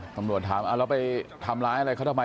ตำรวจถามแล้วไปทำร้ายอะไรเขาทำไม